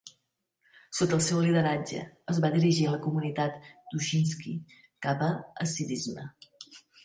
Sota el seu lideratge, es va dirigir la comunitat Dushinsky cap a Hassidisme.